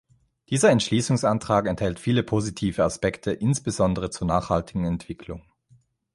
Dieser Entschließungsantrag enthält viele positive Aspekte, insbesondere zur nachhaltigen Entwicklung.